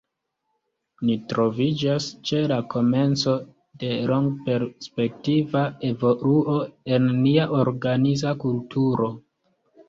Ni troviĝas ĉe la komenco de longperspektiva evoluo en nia organiza kulturo.